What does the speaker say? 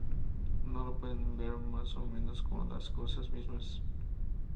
No lo pueden ser más o menos que las cosas mismas.